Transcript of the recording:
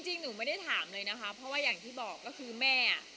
จริงหนูไม่ได้ถามเลยนะคะเพราะว่าอย่างที่บอกก็คือแม่อ่ะ